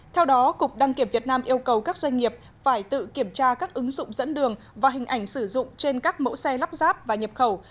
theo đó cục đăng kiểm việt nam yêu cầu các doanh nghiệp phải tự kiểm tra các ứng dụng dẫn đường và hình ảnh sử dụng trên các mẫu xe lắp ráp và nhập khẩu